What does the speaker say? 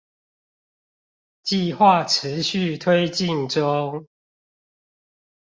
計畫持續推進中